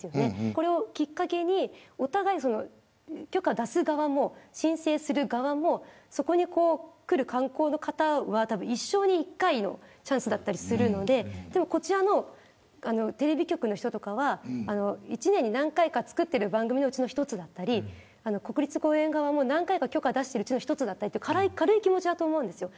これをきっかけにお互い許可出す側も申請する側もそこに来る観光の方はたぶん、一生に１回のチャンスだったりするのででも、こちらのテレビ局の人とかは１年に何回か作っているうちの一つだったり国立公園側も何回か許可出しているうちの一つだったり軽い気持ちだと思うんですよ。